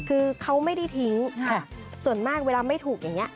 คือเขาไม่ได้ทิ้งส่วนมากเวลาไม่ถูกอย่างนี้